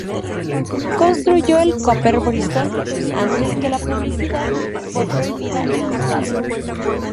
Construyó el Cooper-Bristol, antes de que la publicidad fue prohibida en Australia.